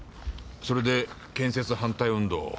それで建設反対運動を。